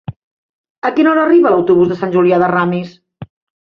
A quina hora arriba l'autobús de Sant Julià de Ramis?